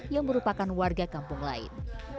yang merupakan warga kampung lain